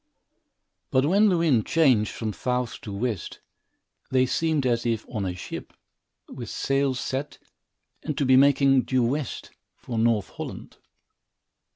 But when the wind changed from south to west, they seemed as if on a ship, with sails set, and to be making due west, for North Holland.